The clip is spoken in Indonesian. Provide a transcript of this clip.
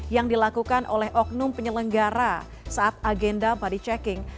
yang dilakukan oleh oknum penyelenggara saat agenda body checking